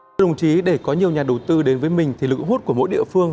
thưa đồng chí để có nhiều nhà đầu tư đến với mình thì lực hút của mỗi địa phương